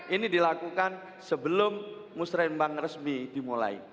ini dilakukan sebelum musrembang resmi dimulai